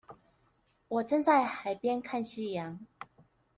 我正在海邊看夕陽